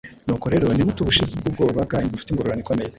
Nuko rero ntimute ubushizi bw’ubwoba bwanyu bufite ingororano ikomeye.